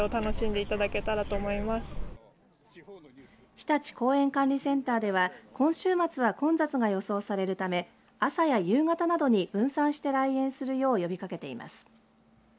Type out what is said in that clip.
ひたち公園管理センターでは今週末は混雑が予想されるため朝や夕方などに分散して来園するよう呼びかけています。